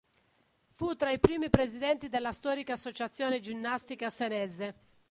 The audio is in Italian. Fu tra i primi presidenti della storica Associazione Ginnastica Senese.